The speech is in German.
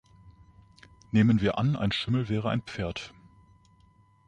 Nehmen wir an, ein Schimmel wäre ein Pferd.